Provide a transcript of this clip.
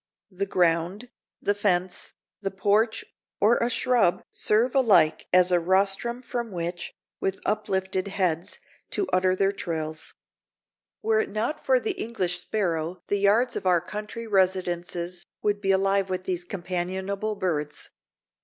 The ground, the fence, the porch or a shrub serve alike as a rostrum from which, with uplifted heads, to utter their trills. Were it not for the English sparrow the yards of our country residences would be alive with these companionable birds.